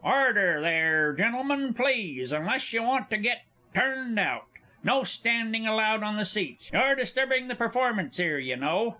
Order, there, Gentlemen, please unless you want to get turned out! No standing allowed on the seats you're disturbing the performance 'ere, you know!